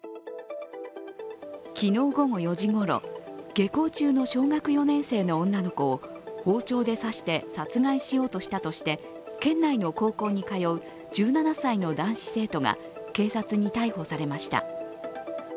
昨日午後４時ごろ、下校中の小学４年生の女の子を包丁で刺して殺害しようとしたとして県内の高校に通う１７歳の男子生徒が警察に逮捕されました。